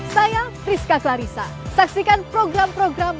saya priska clarissa saksikan program program